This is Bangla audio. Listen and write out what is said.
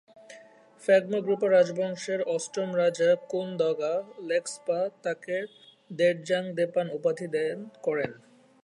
ফাগ-মো-গ্রু-পা রাজবংশের অষ্টম রাজা কুন-দ্গা'-লেগ্স-পা তাঁকে র্দ্জোং-দ্পোন উপাধি দান করেন।